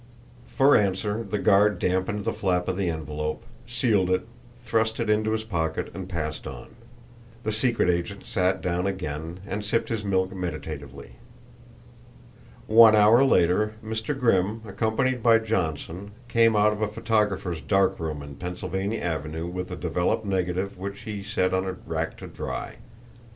For answer the guard dampened the flap of the envelope, sealed it, thrust it into his pocket and passed on. The secret agent sat down again, and sipped his milk meditatively. One hour later Mr. Grimm, accompanied by Johnson, came out of a photographer's dark room in Pennsylvania Avenue with a developed negative which he set on a rack to dry.